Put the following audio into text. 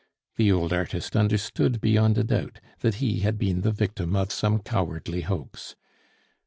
The old artist understood beyond a doubt that he had been the victim of some cowardly hoax.